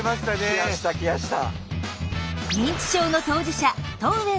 来やした来やした。